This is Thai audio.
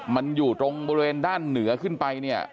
มันอยู่โดงบริเวณด้านเหนือขึ้นไป